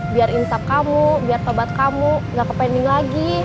biar insap kamu biar tempat kamu gak ke pending lagi